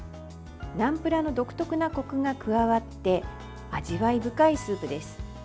ナムプラーの独特なコクが加わって、味わい深いスープです。